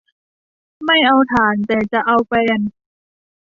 ไม่เอาถ่าน แต่จะเอาแฟน